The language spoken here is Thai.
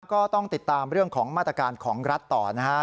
ก็ต้องติดตามเรื่องของมาตรการของรัฐต่อนะฮะ